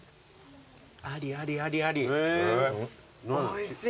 おいしい。